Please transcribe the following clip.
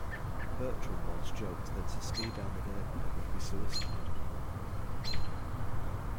Bertram once joked that to ski down the nearby would be suicide.